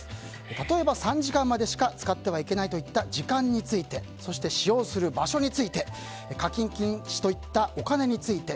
例えば３時間までしか使ってはいけないといった時間についてそして、使用する場所について課金禁止といったお金について。